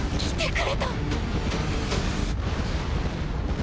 来てくれた。